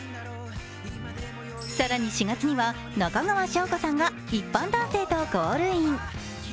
更に４月には中川翔子さんが一般男性とゴールイン。